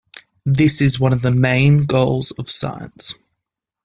This is one of the main goals of science.